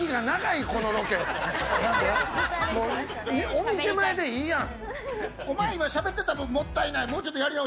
お店前でいいやん。